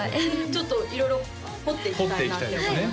ちょっと色々掘っていきたいなって思います